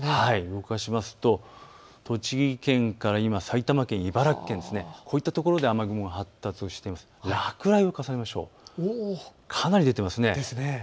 動かしますと栃木県から今、埼玉県、茨城県こういった所で雨雲が発達して落雷がかなり出ています。